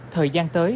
thời gian tới